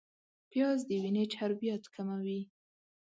پیاز د وینې چربیات کموي